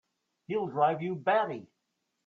He'll drive you batty!